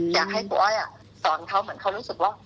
อยากให้ครูอ้อยสอนเขาเหมือนเขารู้สึกว่า